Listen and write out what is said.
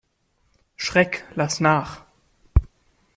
Schreck lass nach!